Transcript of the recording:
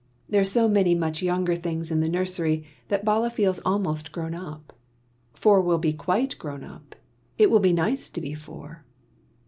There are so many much younger things in the nursery, that Bala feels almost grown up: four will be quite grown up; it will be nice to be four.